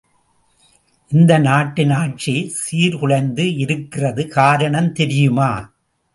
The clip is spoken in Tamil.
இந்த நாட்டின் ஆட்சி சீர்குலைந்து இருக்கிறது, காரணம் தெரியுமா?